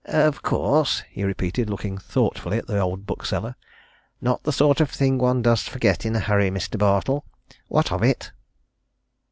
"Of course!" he repeated, looking thoughtfully at the old bookseller. "Not the sort of thing one does forget in a hurry, Mr. Bartle. What of it?"